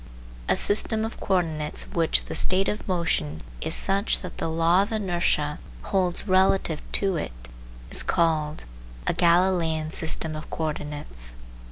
A system of co ordinates of which the state of motion is such that the law of inertia holds relative to it is called a " Galileian system of co ordinates."